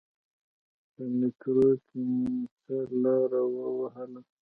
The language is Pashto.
په میترو کې مو څه لاره و وهله.